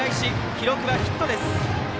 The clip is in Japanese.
記録はヒットです。